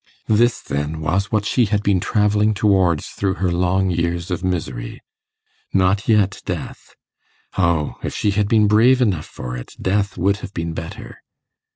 This, then, was what she had been travelling towards through her long years of misery! Not yet death. O! if she had been brave enough for it, death would have been better.